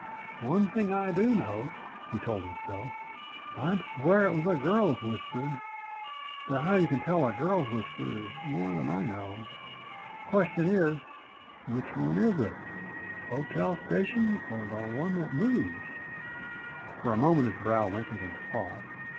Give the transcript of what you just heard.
"One thing I do know," he told himself. "I'd swear it was a girl's whisper, though how you can tell a girl's whisper is more than I know. Question is: Which one is it—hotel station or the one that moves?" For a moment his brow wrinkled in thought.